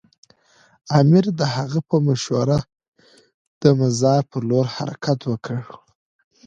امیر د هغه په مشوره د مزار پر لور حرکت وکړ.